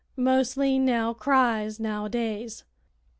Mostly Nell cries, nowadays."